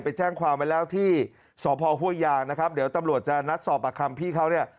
ไปแจ้งความไว้แล้วที่สพห้วยยางนะครับเดี๋ยวตำรวจจะนัดสอบปากคำพี่เขาเนี่ย